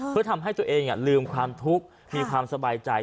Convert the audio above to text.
เพื่อทำให้ตัวเองลืมความทุกข์มีความสบายใจ